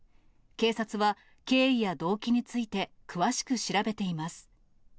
警察は、経緯や動機について詳しく調べています。